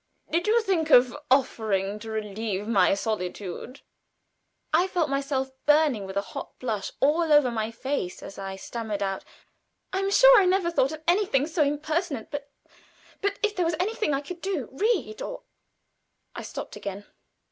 "Did you think of offering to relieve my solitude?" I felt myself burning with a hot blush all over my face as I stammered out: "I am sure I never thought of anything so impertinent, but but if there was anything I could do read or " I stopped again.